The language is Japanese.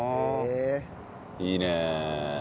いいね。